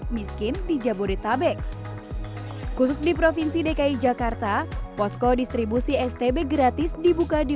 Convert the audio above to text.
miskin di jabodetabek khusus di provinsi dki jakarta posko distribusi stb gratis dibuka di